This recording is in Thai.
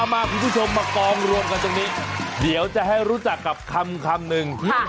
มาคุณผู้ชมมากองรวมกันตรงนี้เดี๋ยวจะให้รู้จักกับคำนึง